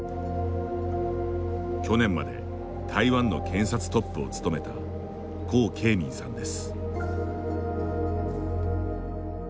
去年まで、台湾の検察トップを務めた江恵民さんです。